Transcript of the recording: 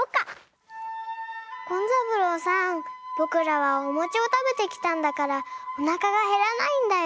紺三郎さんぼくらはおもちをたべてきたんだからおなかがへらないんだよ。